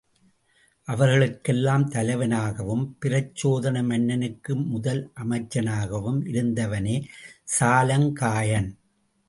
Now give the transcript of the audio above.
அவர்களுக்கெல்லாம் தலைவனாகவும் பிரச்சோதன மன்னனுக்கு முதலமைச்சனாகவும் இருந்தவனே சாலங்காயன்.